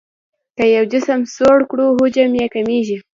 که یو جسم سوړ کړو حجم یې کمیږي.